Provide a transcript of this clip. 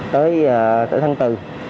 tới mùng ba tết